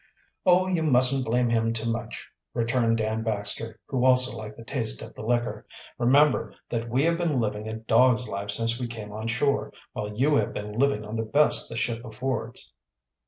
"Oh, you mustn't blame him too much," returned Dan Baxter, who also liked the taste of the liquor. "Remember that we have been living a dog's life since we came on shore, while you have been living on the best the ship affords."